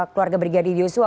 keluarga brigadir yosua